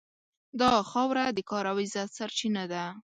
دا خاوره د کار او عزت سرچینه ده.